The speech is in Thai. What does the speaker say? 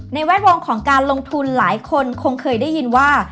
แวดวงของการลงทุนหลายคนคงเคยได้ยินว่า